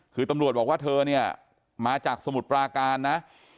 คือตำรวจบอกว่าเธอเนี่ยมาจากสมุทรปราการนะ